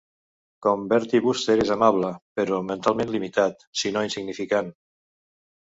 Com Bertie Wooster és amable, però mentalment limitat, si no insignificant.